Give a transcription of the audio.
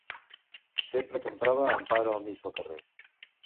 Sempre que em troba em para al mig del carrer.